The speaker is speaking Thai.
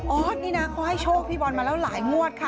อสนี่นะเขาให้โชคพี่บอลมาแล้วหลายงวดค่ะ